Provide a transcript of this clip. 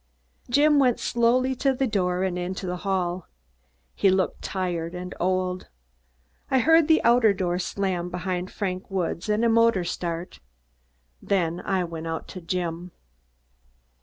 Jim went slowly to the door and into the hall. He looked tired and old. I heard the outer door slam behind Frank Woods and a motor start. Then I went out to Jim.